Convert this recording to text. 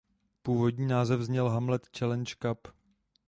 Původní název zněl "Hamlet Challenge Cup".